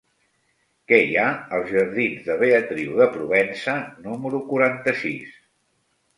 Què hi ha als jardins de Beatriu de Provença número quaranta-sis?